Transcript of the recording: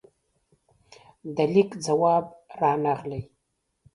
د لیک ځواب رانغلې